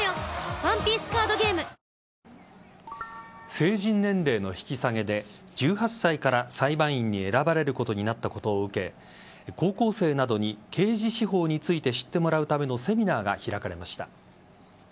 成人年齢の引き下げで１８歳から裁判員に選ばれることになったことを受け高校生などに刑事司法について知ってもらうためのセミナーが開かれました。